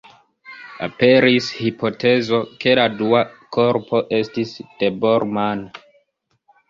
Aperis hipotezo, ke la dua korpo estis de Bormann.